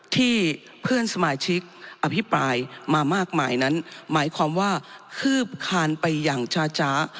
เพื่อนสมาชิกอภิปรายมามากมายนั้นหมายความว่าคืบคานไปอย่างช้าจ๊ะ